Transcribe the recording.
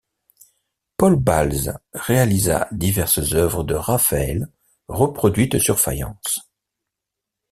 Paul Balze réalisa diverses œuvres de Raphaël reproduites sur faïence.